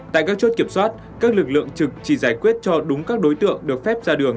tại các chốt kiểm soát các lực lượng trực chỉ giải quyết cho đúng các đối tượng được phép ra đường